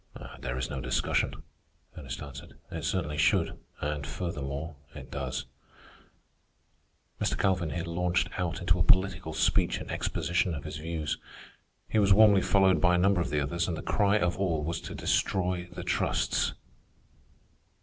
"There is no discussion," Ernest answered. "It certainly should, and, furthermore, it does." Mr. Calvin here launched out into a political speech in exposition of his views. He was warmly followed by a number of the others, and the cry of all was to destroy the trusts.